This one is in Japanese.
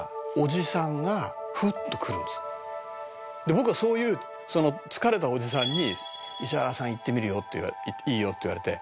「僕はそういう疲れたおじさんに石原さんいいよって言われて」